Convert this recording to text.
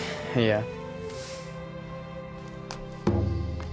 いや。